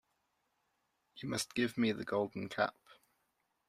You must give me the Golden Cap.